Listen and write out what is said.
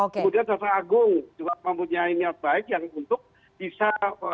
kemudian jaksa agung juga mempunyai niat baik yang untuk bisa